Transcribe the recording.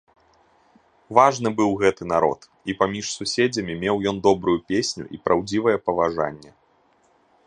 Важны быў гэты народ, і паміж суседзямі меў ён добрую песню і праўдзівае паважанне.